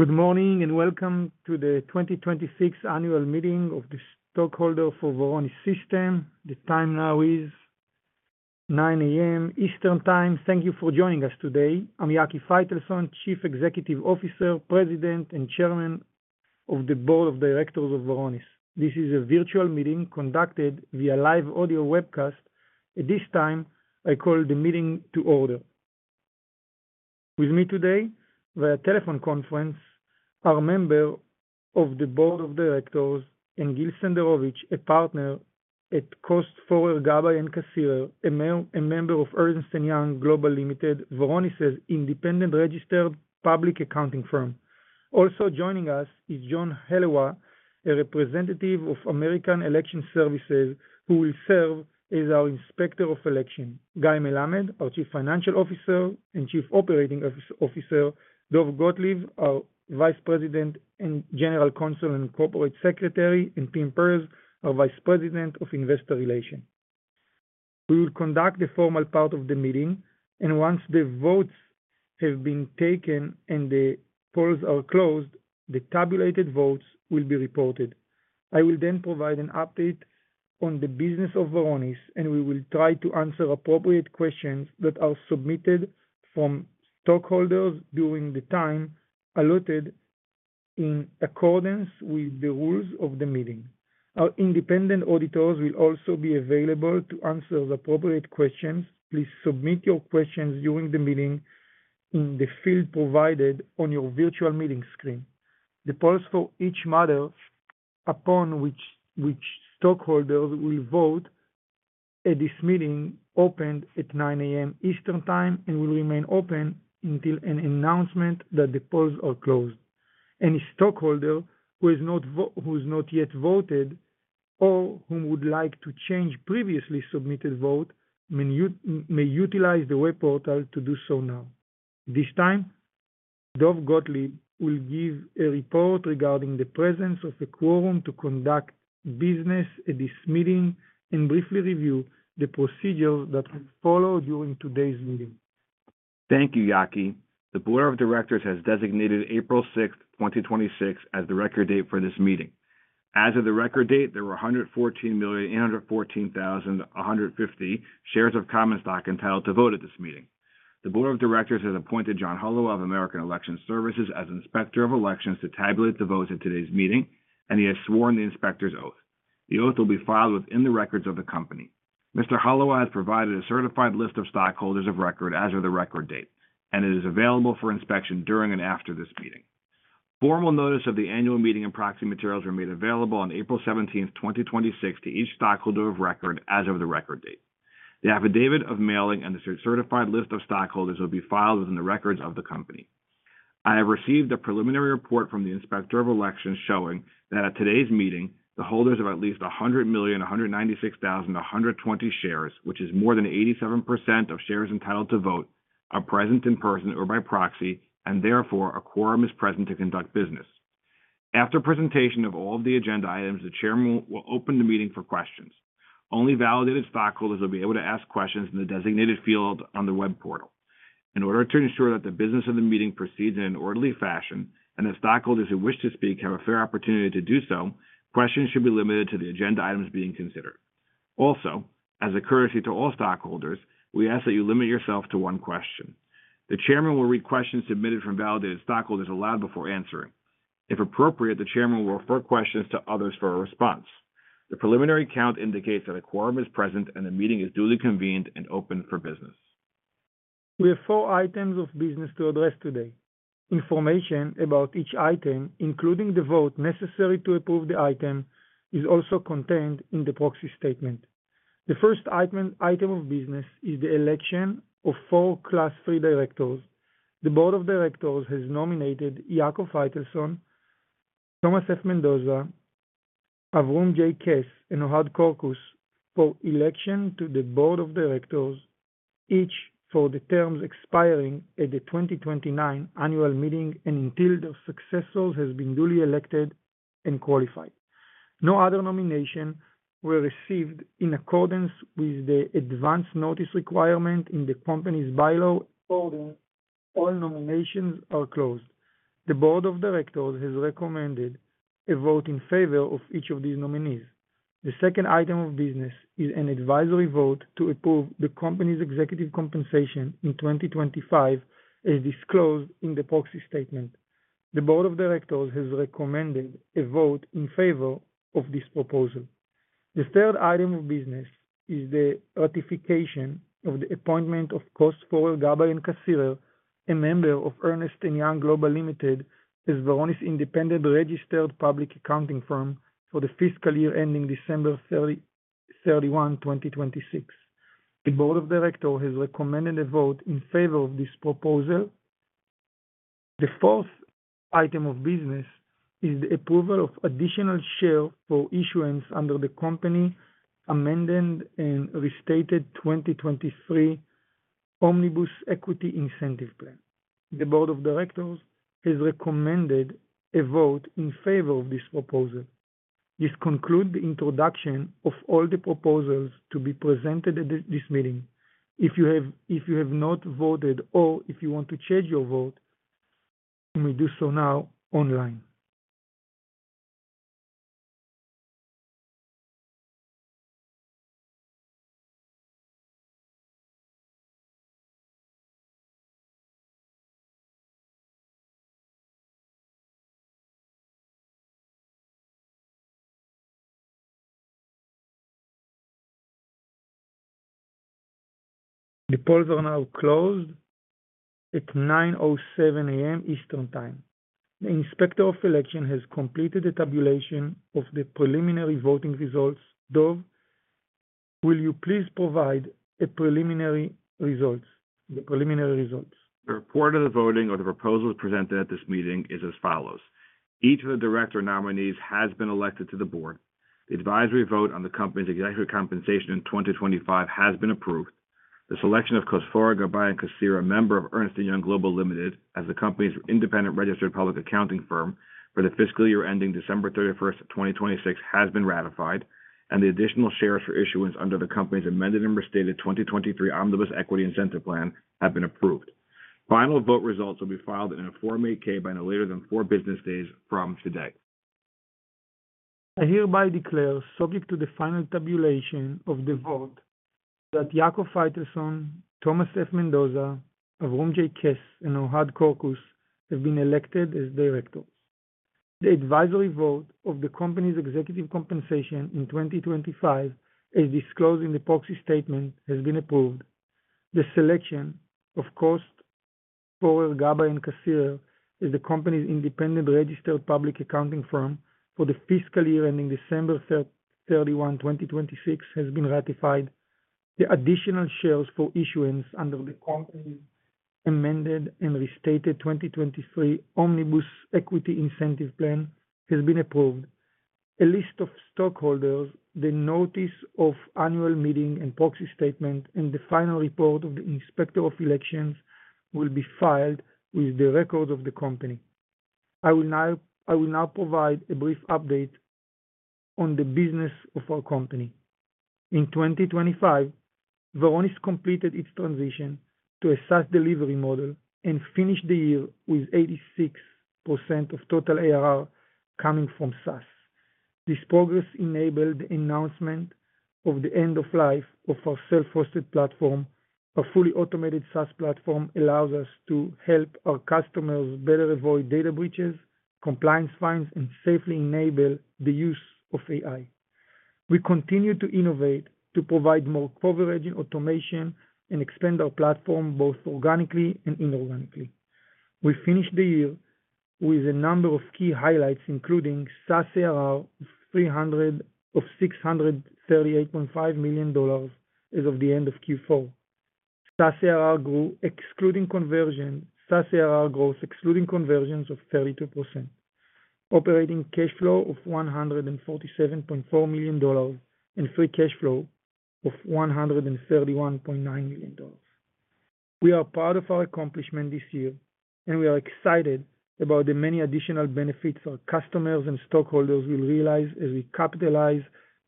Good morning, and welcome to the 2026 annual meeting of the stockholder for Varonis Systems. The time now is 9:00 A.M. Eastern Time. Thank you for joining us today. I'm Yaki Faitelson, Chief Executive Officer, President, and Chairman of the Board of Directors of Varonis. This is a virtual meeting conducted via live audio webcast. At this time, I call the meeting to order. With me today via telephone conference, our member of the Board of Directors and Gil Senderowicz, a Partner at Kost Forer Gabbay & Kasierer, a member of Ernst & Young Global Limited, Varonis's independent registered public accounting firm. Also joining us is John Holloway, a representative of American Election Services, who will serve as our Inspector of Election. Guy Melamed, our Chief Financial Officer and Chief Operating Officer, Dov Gottlieb, our Vice President and General Counsel and Corporate Secretary, and Tim Perz, our Vice President of Investor Relations. We will conduct the formal part of the meeting, and once the votes have been taken and the polls are closed, the tabulated votes will be reported. I will then provide an update on the business of Varonis, and we will try to answer appropriate questions that are submitted from stockholders during the time allotted in accordance with the rules of the meeting. Our independent auditors will also be available to answer the appropriate questions. Please submit your questions during the meeting in the field provided on your virtual meeting screen. The polls for each matter upon which stockholders will vote at this meeting opened at 9:00 A.M. Eastern Time and will remain open until an announcement that the polls are closed. Any stockholder who has not yet voted or whom would like to change previously submitted vote may utilize the web portal to do so now. At this time, Dov Gottlieb will give a report regarding the presence of a quorum to conduct business at this meeting and briefly review the procedure that will follow during today's meeting. Thank you, Yaki. The board of directors has designated April 6th, 2026 as the record date for this meeting. As of the record date, there were 114,814,150 shares of common stock entitled to vote at this meeting. The board of directors has appointed John Holloway of American Election Services as Inspector of Elections to tabulate the votes at today's meeting, and he has sworn the inspector's oath. The oath will be filed within the records of the company. Mr. Holloway has provided a certified list of stockholders of record as of the record date, and it is available for inspection during and after this meeting. Formal notice of the annual meeting and proxy materials were made available on April 17th, 2026, to each stockholder of record as of the record date. The affidavit of mailing and the certified list of stockholders will be filed within the records of the company. I have received a preliminary report from the Inspector of Elections showing that at today's meeting, the holders of at least 100,196,120 shares, which is more than 87% of shares entitled to vote, are present in person or by proxy, and therefore, a quorum is present to conduct business. After presentation of all of the agenda items, the chairman will open the meeting for questions. Only validated stockholders will be able to ask questions in the designated field on the web portal. In order to ensure that the business of the meeting proceeds in an orderly fashion and that stockholders who wish to speak have a fair opportunity to do so, questions should be limited to the agenda items being considered. Also, as a courtesy to all stockholders, we ask that you limit yourself to one question. The chairman will read questions submitted from validated stockholders aloud before answering. If appropriate, the chairman will refer questions to others for a response. The preliminary count indicates that a quorum is present and the meeting is duly convened and open for business. We have four items of business to address today. Information about each item, including the vote necessary to approve the item, is also contained in the proxy statement. The first item of business is the election of four Class 3 directors. The Board of Directors has nominated Yaki Faitelson, Thomas F. Mendoza, Avrohom J. Kess, and Ohad Korkus for election to the Board of Directors, each for the terms expiring at the 2029 annual meeting and until their successors have been duly elected and qualified. No other nominations were received in accordance with the advance notice requirement in the company's bylaws. Therefore, all nominations are closed. The Board of Directors has recommended a vote in favor of each of these nominees. The second item of business is an advisory vote to approve the company's executive compensation in 2025 as disclosed in the proxy statement. The board of directors has recommended a vote in favor of this proposal. The third item of business is the ratification of the appointment of Kost Forer Gabbay & Kasierer, a member of Ernst & Young Global Limited, as Varonis' independent registered public accounting firm for the fiscal year ending December 31, 2026. The board of directors has recommended a vote in favor of this proposal. The fourth item of business is the approval of additional shares for issuance under the company Amended and Restated 2025 Omnibus Equity Incentive Plan. The board of directors has recommended a vote in favor of this proposal. This concludes the introduction of all the proposals to be presented at this meeting. If you have not voted, or if you want to change your vote, you may do so now online. The polls are now closed at 9:07 A.M. Eastern Time. The Inspector of Election has completed the tabulation of the preliminary voting results. Dov, will you please provide the preliminary results? The report of the voting on the proposals presented at this meeting is as follows. Each of the director nominees has been elected to the board. The advisory vote on the company's executive compensation in 2025 has been approved. The selection of Kost Forer Gabbay & Kasierer, member of Ernst & Young Global Limited, as the company's independent registered public accounting firm for the fiscal year ending December 31, 2026 has been ratified, and the additional shares for issuance under the company's Amended and Restated 2025 Omnibus Equity Incentive Plan have been approved. Final vote results will be filed in a Form 8-K, by no later than four business days from today. I hereby declare, subject to the final tabulation of the vote, that Yaki Faitelson, Thomas F. Mendoza, Avrohom J. Kess, and Ohad Korkus have been elected as directors. The advisory vote of the company's executive compensation in 2025, as disclosed in the proxy statement, has been approved. The selection of Kost Forer Gabbay & Kasierer as the company's independent registered public accounting firm for the fiscal year ending December 31, 2026 has been ratified. The additional shares for issuance under the company's Amended and Restated 2025 Omnibus Equity Incentive Plan has been approved. A list of stockholders, the notice of annual meeting and proxy statement, and the final report of the Inspector of Elections will be filed with the records of the company. I will now provide a brief update on the business of our company. In 2025, Varonis completed its transition to a SaaS delivery model and finished the year with 86% of total ARR coming from SaaS. This progress enabled the announcement of the end of life of our self-hosted platform. Our fully automated SaaS platform allows us to help our customers better avoid data breaches, compliance fines, and safely enable the use of AI. We continue to innovate to provide more coverage and automation and expand our platform both organically and inorganically. We finished the year with a number of key highlights, including SaaS ARR of $638.5 million as of the end of Q4. SaaS ARR growth excluding conversions of 32%, operating cash flow of $147.4 million, and free cash flow of $131.9 million. We are proud of our accomplishment this year, and we are excited about the many additional benefits our customers and stockholders will realize as we capitalize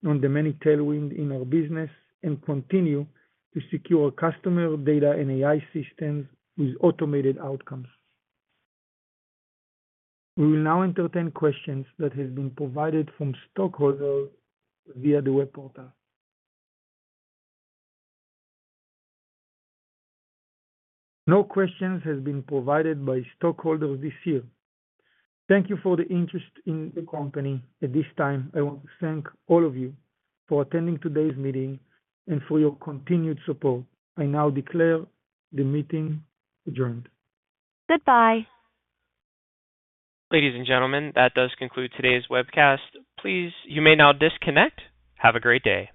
on the many tailwinds in our business and continue to secure customer data and AI systems with automated outcomes. We will now entertain questions that have been provided from stockholders via the web portal. No questions have been provided by stockholders this year. Thank you for the interest in the company. At this time, I want to thank all of you for attending today's meeting and for your continued support. I now declare the meeting adjourned. Goodbye. Ladies and gentlemen, that does conclude today's webcast. Please, you may now disconnect. Have a great day.